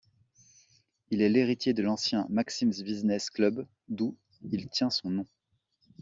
Il est l'héritier de l'ancien Maxim's Business Club d'où il tient son nom.